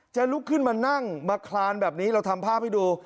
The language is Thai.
ลุกขึ้นมานั่งมาคลานแบบนี้เราทำภาพให้ดู